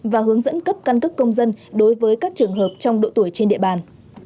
và hướng dẫn cấp căn cước công dân đối với các trường hợp trong độ tuổi trên địa bàn